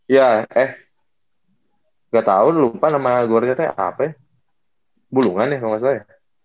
ya eh gak tau lupa nama gue nanya apa ya bulungan ya kalau gak salah ya